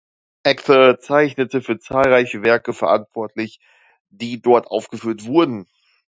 Agthe zeichnete für zahlreiche Werke verantwortlich, die dort aufgeführt wurden.